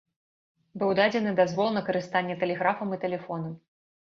Быў дадзены дазвол на карыстанне тэлеграфам і тэлефонам.